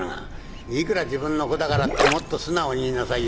いくら自分の子だからってもっと素直に言いなさいよ。